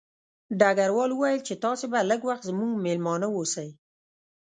ډګروال وویل چې تاسې به لږ وخت زموږ مېلمانه اوسئ